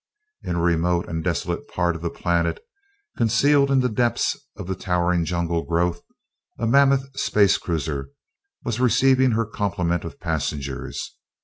In a remote and desolate part of the planet, concealed in the depths of the towering jungle growth, a mammoth space cruiser was receiving her complement of passengers.